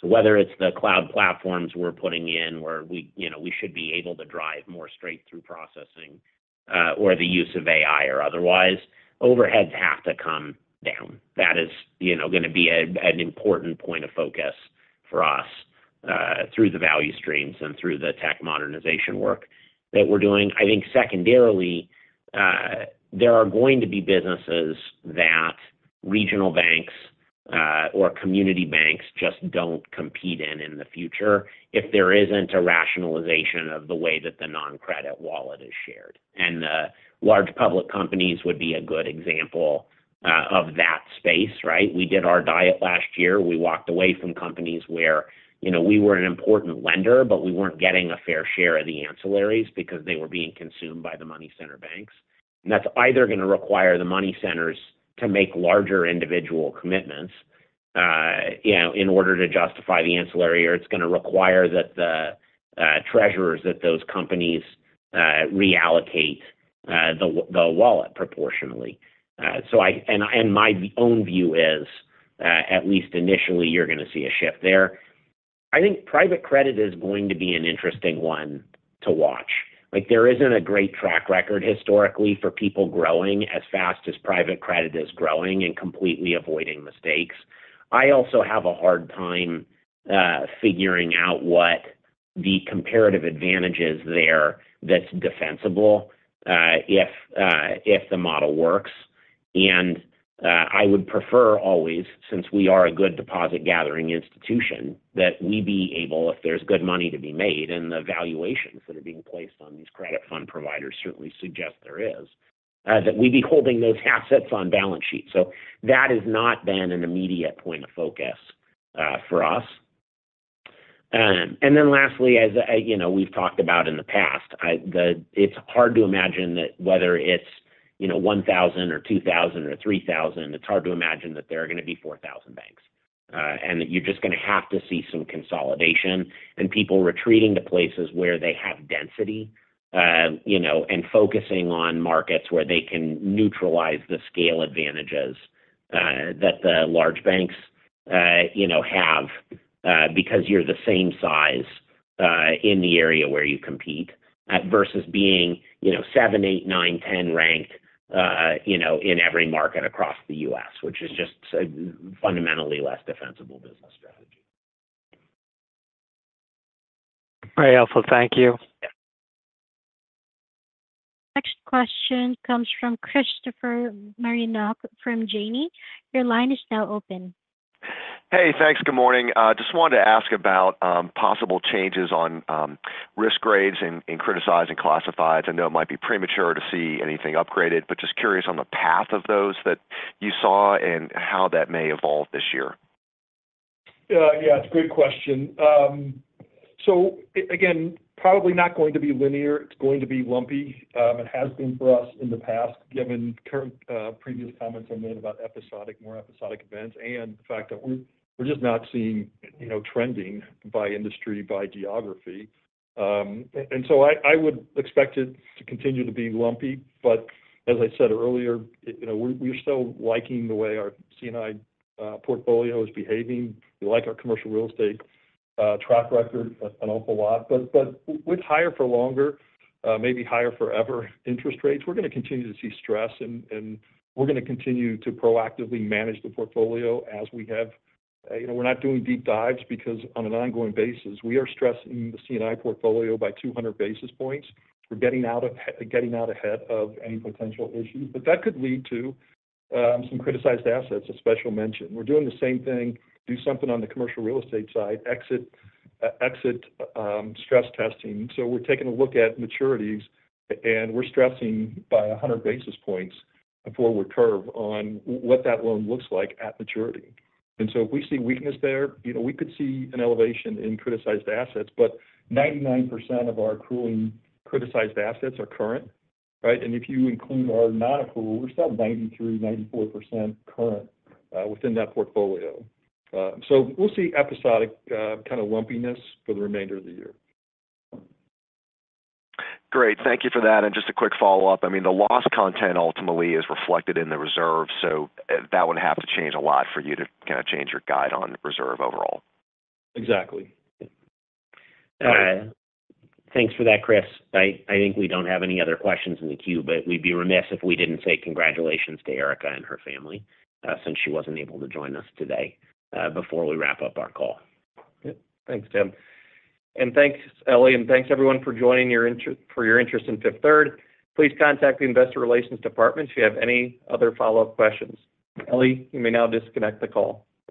So whether it's the cloud platforms we're putting in where we should be able to drive more straight-through processing or the use of AI or otherwise, overheads have to come down. That is going to be an important point of focus for us through the value streams and through the tech modernization work that we're doing. I think secondarily, there are going to be businesses that regional banks or community banks just don't compete in in the future if there isn't a rationalization of the way that the non-credit wallet is shared. And large public companies would be a good example of that space, right? We did our diet last year. We walked away from companies where we were an important lender, but we weren't getting a fair share of the ancillaries because they were being consumed by the money center banks. And that's either going to require the money centers to make larger individual commitments in order to justify the ancillary, or it's going to require that the treasurers at those companies reallocate the wallet proportionally. And my own view is, at least initially, you're going to see a shift there. I think private credit is going to be an interesting one to watch. There isn't a great track record historically for people growing as fast as private credit is growing and completely avoiding mistakes. I also have a hard time figuring out what the comparative advantage is there that's defensible if the model works. And I would prefer always, since we are a good deposit gathering institution, that we be able, if there's good money to be made and the valuations that are being placed on these credit fund providers certainly suggest there is, that we be holding those assets on balance sheets. That has not been an immediate point of focus for us. And then lastly, as we've talked about in the past, it's hard to imagine that whether it's 1,000 or 2,000 or 3,000, it's hard to imagine that there are going to be 4,000 banks and that you're just going to have to see some consolidation and people retreating to places where they have density and focusing on markets where they can neutralize the scale advantages that the large banks have because you're the same size in the area where you compete versus being 7, 8, 9, 10 ranked in every market across the U.S., which is just a fundamentally less defensible business strategy. Very helpful. Thank you. Next question comes from Christopher Marinac from Janney Montgomery Scott. Your line is now open. Hey, thanks. Good morning. Just wanted to ask about possible changes on risk grades in criticized and classifieds. I know it might be premature to see anything upgraded, but just curious on the path of those that you saw and how that may evolve this year. Yeah, it's a great question. So again, probably not going to be linear. It's going to be lumpy. It has been for us in the past, given previous comments I made about more episodic events and the fact that we're just not seeing trending by industry, by geography. And so I would expect it to continue to be lumpy. But as I said earlier, we're still liking the way our C&I portfolio is behaving. We like our commercial real estate track record an awful lot. But with higher-for-longer, maybe higher-forever interest rates, we're going to continue to see stress, and we're going to continue to proactively manage the portfolio as we have. We're not doing deep dives because on an ongoing basis, we are stressing the C&I portfolio by 200 basis points. We're getting out ahead of any potential issues. But that could lead to some criticized assets of special mention. We're doing the same thing. Do something on the commercial real estate side. Exit stress testing. So we're taking a look at maturities, and we're stressing by 100 basis points a forward curve on what that loan looks like at maturity. And so if we see weakness there, we could see an elevation in criticized assets. But 99% of our accruing criticized assets are current, right? And if you include our non-accrual, we're still 93%-94% current within that portfolio. So we'll see episodic kind of lumpiness for the remainder of the year. Great. Thank you for that. Just a quick follow-up. I mean, the loss content ultimately is reflected in the reserves, so that would have to change a lot for you to kind of change your guide on reserve overall. Exactly. Thanks for that, Chris. I think we don't have any other questions in the queue, but we'd be remiss if we didn't say congratulations to Erica and her family since she wasn't able to join us today before we wrap up our call. Yep. Thanks, Tim. And thanks, Ellie. And thanks, everyone, for your interest in Fifth Third. Please contact the Investor Relations Department if you have any other follow-up questions. Ellie, you may now disconnect the call.